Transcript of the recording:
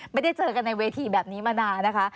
ไม่ได้เจอกันในเวทีแบบนี้มานานนะคะ